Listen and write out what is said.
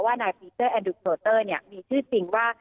นายปีเตอร์แอนดูโครเตอร์มีชื่อจริงว่า